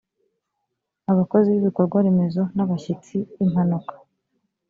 abakozi b ibikorwaremezo n abashyitsi impanuka